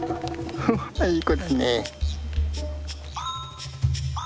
フフいい子だね。